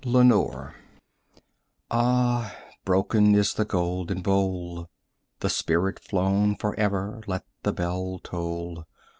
60 LENORE Ah, broken is the golden bowl! the spirit flown forever Let the bell toll!